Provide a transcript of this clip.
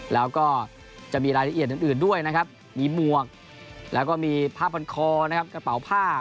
แล้วก็จะมีรายละเอียดอื่นด้วยนะครับมีหมวกแล้วก็มีผ้าพันคอนะครับกระเป๋าผ้า